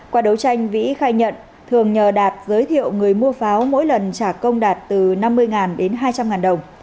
qua đấu tranh vĩ khai nhận thường nhờ đạt giới thiệu người mua pháo mỗi lần trả công đạt từ năm mươi đến hai trăm linh đồng